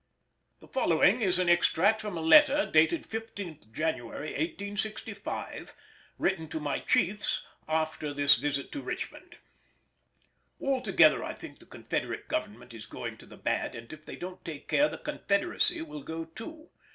The following is an extract from a letter dated 15th January 1865, written to my chiefs after this visit to Richmond. Altogether I think the Confederate Government is going to the bad, and if they don't take care the Confederacy will go too.